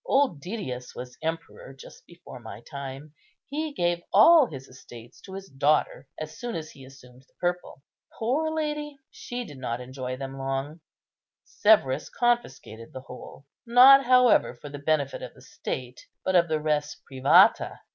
Old Didius was emperor just before my time; he gave all his estates to his daughter as soon as he assumed the purple. Poor lady! she did not enjoy them long; Severus confiscated the whole, not, however, for the benefit of the state, but of the res privata.